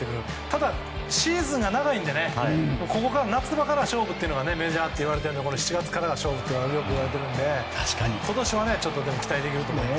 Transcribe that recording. ただ、シーズンが長いので７月、夏場からの勝負がメジャーといわれていて７月から勝負といわれているので今年は期待できると思います。